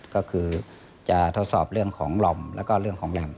ก็คือจะทดสอบเรื่องของหล่อมแล้วก็เรื่องของลำ